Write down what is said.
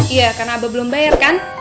iya karena abah belum bayar kan